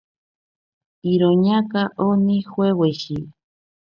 Iroñaaka oni joeweshi.